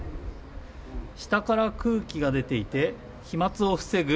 下から空気が出ていて飛沫を防ぐ